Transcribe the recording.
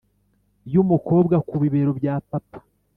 y'umukobwa ku bibero bya papa